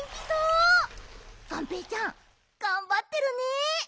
がんぺーちゃんがんばってるね！